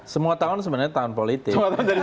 semua tahun sebenarnya tahun politik